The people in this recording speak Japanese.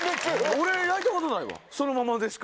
俺焼いたことないわそのままでしか。